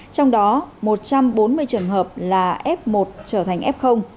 trong đó một trăm bốn mươi trường hợp là f một trở thành f